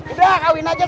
udah kawin aja lu